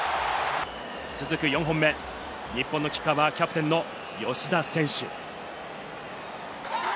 続く４本目、日本のキッカーはキャプテンの吉田選手。